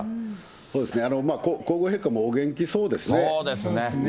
そうですね、皇后陛下もお元気そうですね。